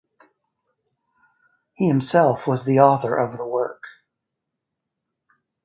He himself was the author of the work.